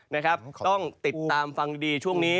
นะครับต้องติดตามฟังดีช่วงนี้